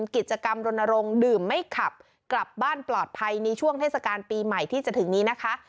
กิจกรรมรณรงค์ดื่มไม่ขับกลับบ้านปลอดภัยในช่วงเทศกาลปีใหม่ที่จะถึงนี้นะคะ